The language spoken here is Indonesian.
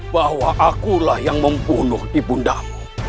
bahwa akulah yang membunuh ibundamu